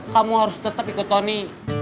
kamu harus tetap ikut tony